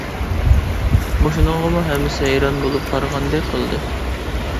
مۇشۇنىڭغىمۇ ھەممىسى ھەيران بولۇپ قارىغاندەك قىلدى.